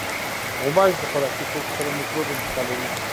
غوماشې د خوراکي توکو سره مکروب انتقالوي.